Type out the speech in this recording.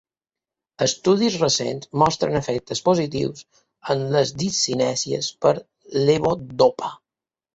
Estudis recents mostren efectes positius en les discinèsies per levodopa.